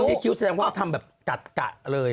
คิ้วแสดงว่าทำแบบกัดกะเลย